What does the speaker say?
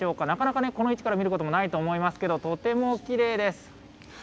なかなか、この位置から見ることもないと思いますけれども、とてもきれいです。